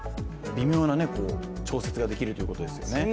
微妙な調節ができるということですよね。